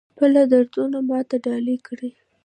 خپل دردونه ماته ډالۍ کړه